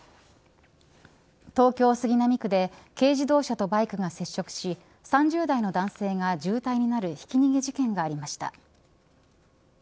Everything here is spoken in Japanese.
東京、杉並区で軽自動車とバイクが接触し３０代の男性が重体になるひき逃げ事件がありました。